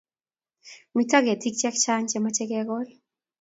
Mito ketik che chang' che mache kelul